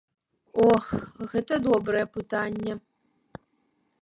Ох, гэта добрае пытанне.